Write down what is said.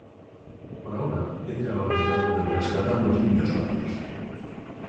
Por ahora, ella ha olvidado del rescatar los niños varados.